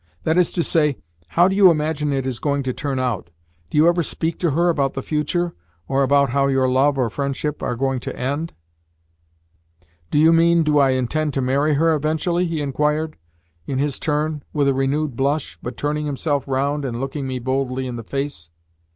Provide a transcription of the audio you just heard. "That is to say, how do you imagine it is going to turn out? Do you ever speak to her about the future, or about how your love or friendship are going to end?" "Do you mean, do I intend to marry her eventually?" he inquired, in his turn, with a renewed blush, but turning himself round and looking me boldly in the face.